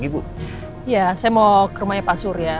iya saya mau ke rumahnya pasur ya